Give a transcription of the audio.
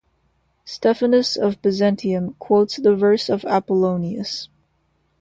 Stephanus of Byzantium quotes the verse of Apollonius.